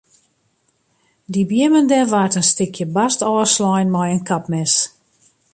Dy beammen dêr waard in stikje bast ôfslein mei in kapmes.